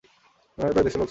মনে হয় প্রায় দেড়শো লোক ছিল।